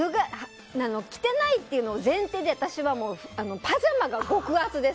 着てないというのを前提で私はパジャマが極厚です